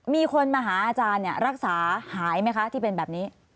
มีคนมาหาอาจารย์รักษาหายไหมคะที่เป็นแบบนี้